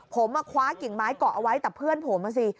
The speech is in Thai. ผมคว้ากิ่งไม้เกาะเอาไว้แต่เพื่อนผมอ่ะสิ